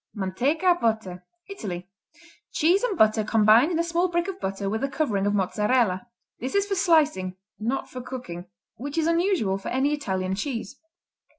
Manteca, Butter Italy Cheese and butter combined in a small brick of butter with a covering of Mozzarella. This is for slicing not for cooking which is unusual for any Italian cheese.